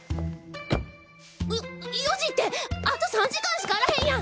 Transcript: よ４時ってあと３時間しかあらへんやん！